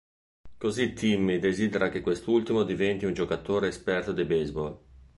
Così Timmy desidera che quest'ultimo diventi un giocatore esperto di baseball.